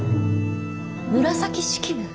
紫式部？